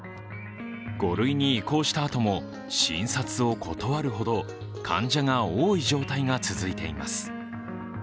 ５類に移行したあとも診察を断るほど患者が多い状態が続いています。